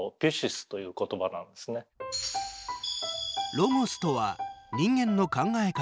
ロゴスとは、人間の考え方